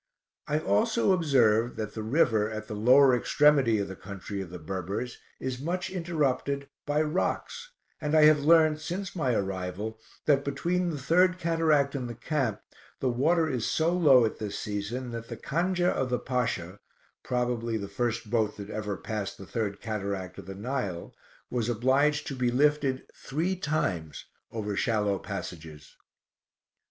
I also observed that the river, at the lower extremity of the country of the Berbers, is much interrupted by rocks, and I have learned, since my arrival, that between the third cataract and the camp, the water is so low at this season that the Canja of the Pasha (probably the first boat that ever passed the third cataract of the Nile) was obliged to be lifted three times over shallow passages.